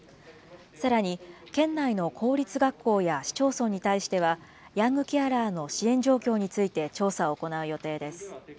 さらに、県内の公立学校や市町村に対しては、ヤングケアラーの支援状況について、調査を行う予定です。